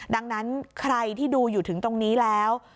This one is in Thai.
ดังนั้นใครที่ดูอยู่ถึงตรงนี้แล้ว